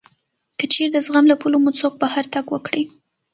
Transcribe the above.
که چېرې د زغم له پولو مو څوک بهر تګ وکړي